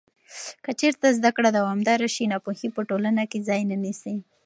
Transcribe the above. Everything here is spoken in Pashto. که چېرته زده کړه دوامداره شي، ناپوهي په ټولنه کې ځای نه نیسي.